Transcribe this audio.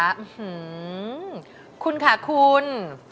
อื้อหือคุณค่ะคุณ